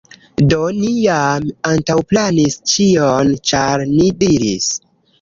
Do ni jam antaŭplanis ĉion, ĉar ni diris